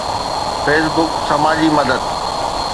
Facebook سماجي مدد